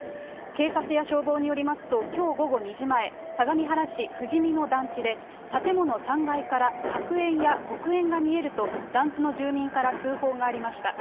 警察や消防によりますと、きょう午後２時前、相模原市のふじみの団地で、建物３階から白煙や黒煙が見えると、団地の住民から通報がありました。